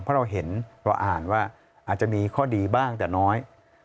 เพราะเราเห็นเราอ่านว่าอาจจะมีข้อดีบ้างแต่น้อย